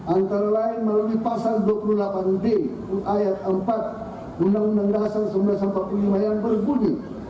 antara lain melalui pasal dua puluh delapan d ayat empat undang undang dasar seribu sembilan ratus empat puluh lima yang berbunyi